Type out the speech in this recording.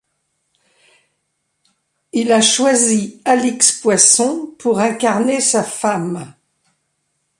Il a choisi Alix Poisson pour incarner sa femme.